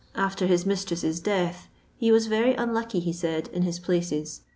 After his mistress's death he was very unlucky, he said, in his places.